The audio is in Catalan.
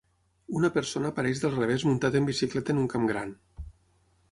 Una persona apareix del revés muntat en bicicleta en un camp gran.